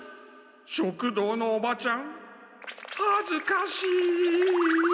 食堂のおばちゃんはずかしい！